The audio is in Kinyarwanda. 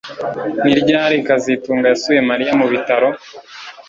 Ni ryari kazitunga yasuye Mariya mu bitaro